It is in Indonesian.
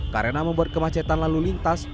karena membuat kemacetan lalu lintas